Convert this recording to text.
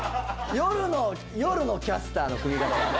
夜のキャスターの組み方だね